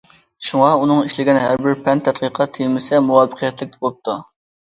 شۇڭا ئۇنىڭ ئىشلىگەن ھەر بىر پەن تەتقىقات تېمىسى مۇۋەپپەقىيەتلىك بوپتۇ.